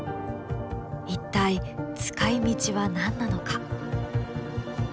一体使いみちは何なのか？